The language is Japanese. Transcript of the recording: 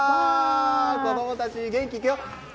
子供たち、元気にいくよ！